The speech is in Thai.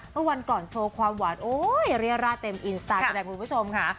เมื่อวันก่อนโชว์ความหวานโอ๊ยเรียร่าเต็มอินสตาร์แสดงคุณผู้ชมค่ะ